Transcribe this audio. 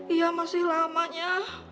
iya masih lamanya